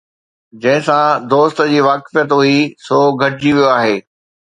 جنهن سان دوست جي واقفيت هئي، سو گهٽجي ويو آهي